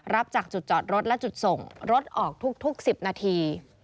รับจากจุดจอดรถและจุดส่งรถออกทุก๑๐นาที